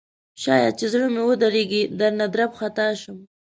شاید چې زړه مې ودریږي درنه درب خطا شم